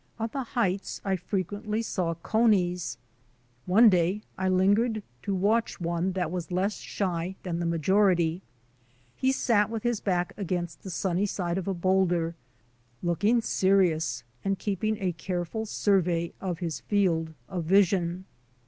On the heights I frequently saw conies. One day I lingered to watch one that was less shy than the majority. He sat with his back against the sunny side of a boulder, looking serious and keep ing a careful survey of his field of vision.